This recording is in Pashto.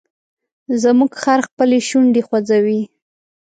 زموږ خر خپلې شونډې خوځوي.